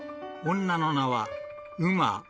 ［女の名は］